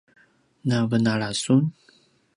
na venala sun?